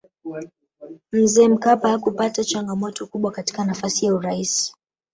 mzee mkapa hakupata changamoto kubwa katika nafasi ya uraisi